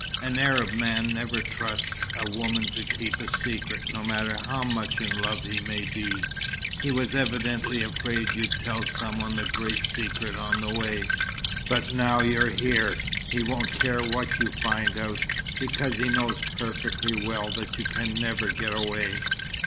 An Arab man never trusts a woman to keep a secret, no matter how much in love he may be. He was evidently afraid you'd tell some one the great secret on the way. But now you're here, he won't care what you find out, because he knows perfectly well that you can never get away."